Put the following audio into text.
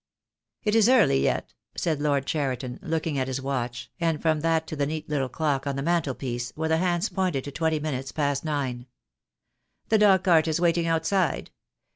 "It is early yet," said Lord Cheriton, looking at his watch, and from that to the neat little clock on the mantel piece, where the hands pointed to twenty minutes past nine. "The dog cart is waiting outside.